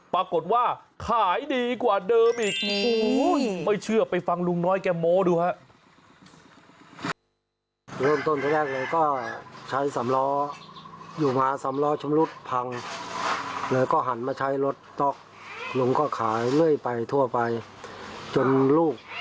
ปรากฏว่าขายดีกว่าเดิมอีกไม่เชื่อไปฟังลุงน้อยแกโม้ดูฮะ